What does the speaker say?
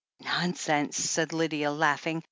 "Nonsense," said Lydia, laughing.